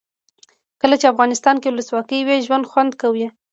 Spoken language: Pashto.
کله چې افغانستان کې ولسواکي وي ژوند خوند کوي.